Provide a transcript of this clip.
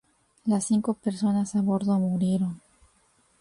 Las cinco personas a bordo murieron.